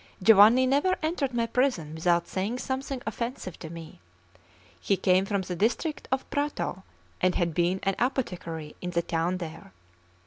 Giovanni never entered my prison without saying something offensive to me. He came from the district of Prato, and had been an apothecary in the town there.